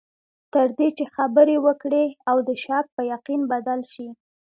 تر دې چې خبرې وکړې او د شک په یقین بدل شي.